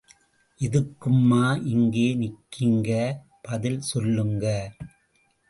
எதுக்கும்மா... இங்கே நிற்கிங்க... பதில் சொல்லுங்க.